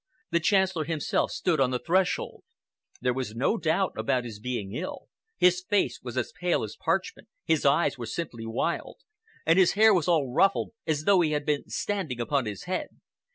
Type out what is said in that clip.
The Chancellor himself stood on the threshold. There was no doubt about his being ill; his face was as pale as parchment, his eyes were simply wild, and his hair was all ruffled as though he had been standing upon his head.